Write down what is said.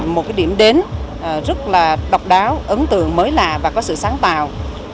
một cái điểm đến rất là độc đáo ấn tượng mới lạ và có sự sáng tạo